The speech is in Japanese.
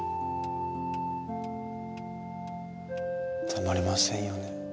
たまりませんよね。